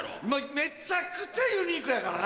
めちゃくちゃユニークやからな。